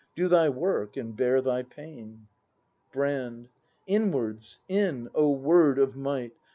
— Do thy work and bear thy pain!" Brand. Inwards! In! O word of might.